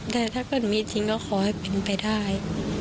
แต่ถ้าเกิดหนูมีจริงก็ขอให้เป็นไปได้